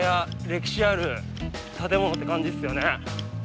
歴史ある建物って感じですよね。